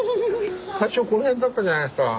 最初この辺だったじゃないですか。